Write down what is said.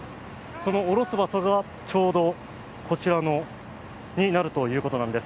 そのおろす場所がちょうどこちらになるということなんです。